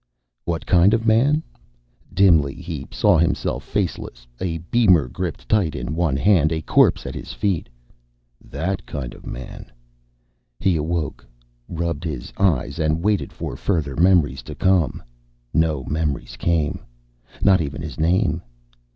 What kind of man? Dimly he saw himself, faceless, a beamer gripped tight on one hand, a corpse at his feet. That kind of man. He awoke, rubbed his eyes, and waited for further memories to come. No memories came. Not even his name.